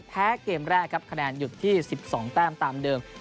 แพ้เกมแรกครับคะแนนหยุดที่๑๒แต้มตามเดิม